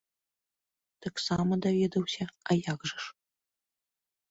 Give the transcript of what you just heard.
Таксама даведаўся, а як жа ж!